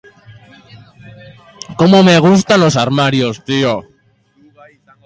Lau pertsona ospitaleratuta daude, horietatik bi larri, baina egonkor.